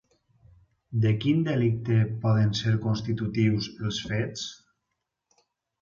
De quin delicte poden ser constitutius els fets?